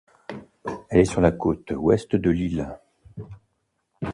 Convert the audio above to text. Elle est sur la côte ouest de l'île.